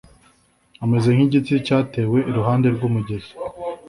ameze nk'igiti cyatewe iruhande rw'umugezi